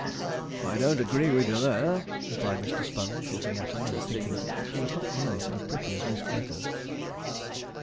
'I don't agree with you, there,' replied Mr. Sponge, looking at her, and thinking she was not nearly so pretty as Miss Glitters.